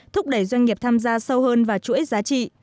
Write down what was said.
thúc đẩy doanh nghiệp tham gia sâu hơn vào chuỗi giá trị